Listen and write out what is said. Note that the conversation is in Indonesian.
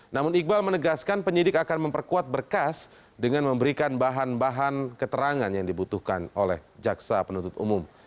namun iqbal menegaskan penyidik akan memperkuat berkas dengan memberikan bahan bahan keterangan yang dibutuhkan oleh jaksa penuntut umum